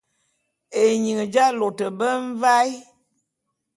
Ényin j'alôte be mvaé.